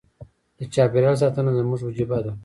د چاپیریال ساتنه زموږ وجیبه ده.